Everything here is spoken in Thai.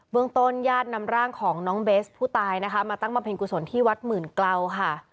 เมืองต้นญาตินำร่างของน้องเบสผู้ตายนะคะมาตั้งบำเพ็ญกุศลที่วัดหมื่นเกลาค่ะ